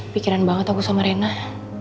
pikiran banget aku sama rena